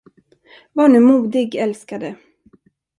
Var nu modig, älskade.